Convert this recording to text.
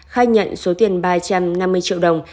khai nhận số tiền ba trăm năm mươi triệu đồng